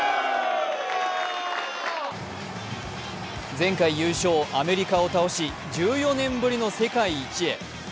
前回優勝、アメリカを倒し１４年ぶりの世界一へ。